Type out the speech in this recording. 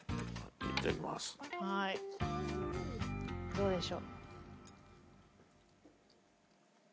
どうでしょう？